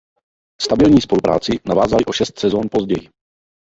Stabilní spolupráci navázali o šest sezón později.